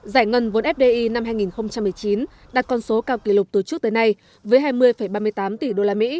giải ngân vốn fdi năm hai nghìn một mươi chín đạt con số cao kỷ lục từ trước tới nay với hai mươi ba mươi tám tỷ usd